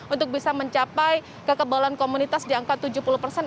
untuk bisa mencapai kekebalan komunitas di angka tujuh puluh persen